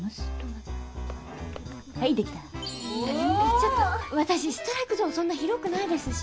ちょっと私ストライクゾーンそんな広くないですし。